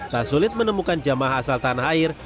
tak sulit menemukan jemaah asal tanah air